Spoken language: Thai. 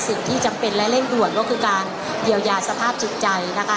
สิ่งที่จำเป็นและเร่งรวดก็คือการเดี๋ยวยาสภาพจิตใจนะคะ